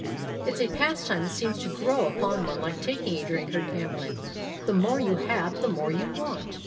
It's a pastime that seems to grow upon one like taking to drink or gambling—the more you have the more you want!